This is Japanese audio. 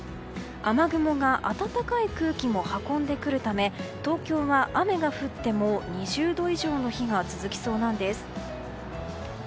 雨雲が暖かい空気も運んでくるため東京は雨が降っても２０度以上の日が続きそうなんです。